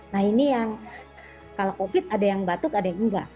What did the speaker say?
nah ini yang kalau covid ada yang batuk ada yang enggak